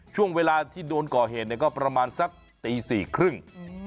ช่วงเวลาที่โดนก่อเหตุเนี่ยก็ประมาณสักตีสี่ครึ่ง